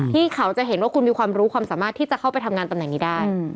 ที่เขาจะเห็นว่าคุณมีความรู้ความสามารถที่จะเข้าไปทำงานตำแหน่งนี้ได้